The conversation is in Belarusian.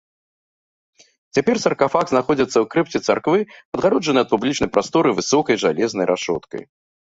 Цяпер саркафаг знаходзіцца ў крыпце царквы, адгароджаны ад публічнай прасторы высокай жалезнай рашоткай.